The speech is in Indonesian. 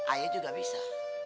ayah juga bisa